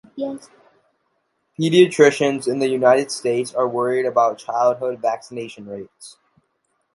Pediatricians in the United States are worried about childhood vaccination rates.